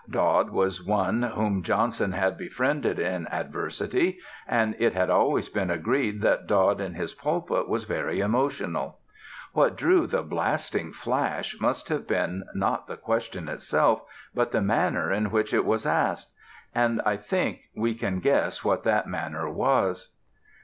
Dodd was one whom Johnson had befriended in adversity; and it had always been agreed that Dodd in his pulpit was very emotional. What drew the blasting flash must have been not the question itself, but the manner in which it was asked. And I think we can guess what that manner was.